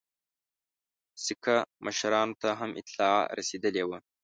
سیکه مشرانو ته هم اطلاع رسېدلې وه.